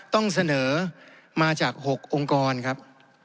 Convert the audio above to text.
ต้องเสนอมาจาก๖องค์กรครับ